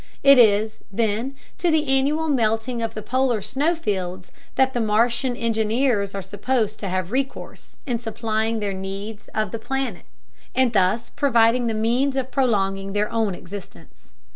It is, then, to the annual melting of the polar snow fields that the Martian engineers are supposed to have recourse in supplying the needs of their planet, and thus providing the means of prolonging their own existence.